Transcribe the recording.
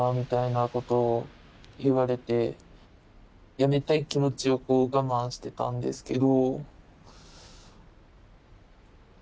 辞めたい気持ちをこう我慢してたんですけど。